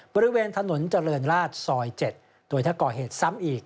บริเวณถนนเจริญราชซอย๗โดยถ้าก่อเหตุซ้ำอีก